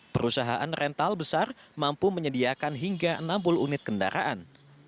perusahaan rental besar mampu menyediakan hingga enam puluh unit kendaraan